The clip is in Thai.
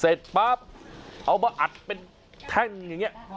เสร็จปั๊บเอามาอัดเป็นแท่งอย่างนี้